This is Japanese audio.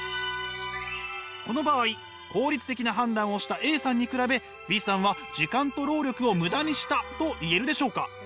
この場合効率的な判断をしたＡさんに比べＢさんは時間と労力をムダにしたと言えるでしょうか？